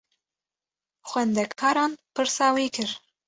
Xwendekaran pirsa wî kir.